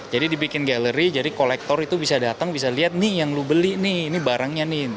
jadi dibikin galeri jadi kolektor itu bisa datang bisa lihat nih yang lu beli nih ini barangnya nih